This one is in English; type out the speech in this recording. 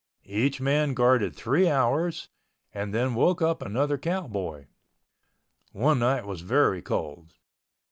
Each man guarded three hours and then woke up another cowboy. One night was very cold.